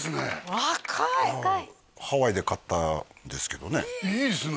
若いハワイで買ったんですけどねいいですね